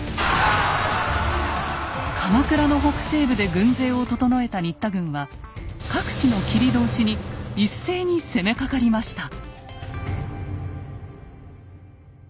鎌倉の北西部で軍勢を整えた新田軍は各地の切通に一斉に攻めかかりました。